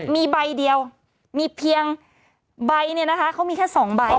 มีใบเดียวมีเพียงใบเนี่ยนะคะเขามีแค่๒ใบ